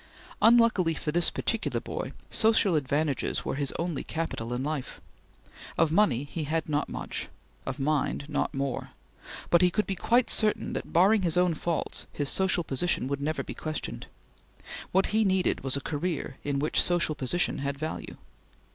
Unluckily for this particular boy, social advantages were his only capital in life. Of money he had not much, of mind not more, but he could be quite certain that, barring his own faults, his social position would never be questioned. What he needed was a career in which social position had value.